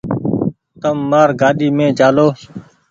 تم مآر گآڏي مين چآلو ۔